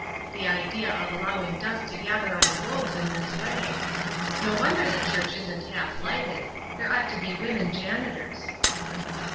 The idea of allowing dust to gather on globes in this way! No wonder the church isn't half hghted; there ought to be women janitors."